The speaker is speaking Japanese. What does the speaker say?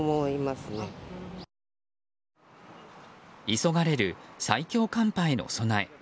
急がれる最強寒波への備え。